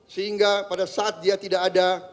sehingga pada saat dia tidak ada